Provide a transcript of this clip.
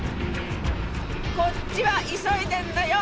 こっちは急いでんだよ！